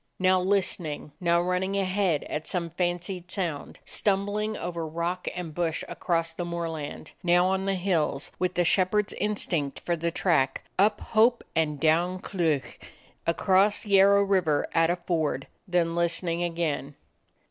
Now listening, now running ahead at some fancied sound; stumbling over rock and bush across the moorland ; now on the hills, with the shepherd's instinct for the track ; up hope and down cleuch; across Yarrow Water at a ford; then listening again.